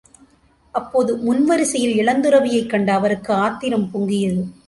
அப்போது முன்வரிசையில் இளந்துறவியைக் கண்ட அவருக்கு ஆத்திரம் பொங்கியது.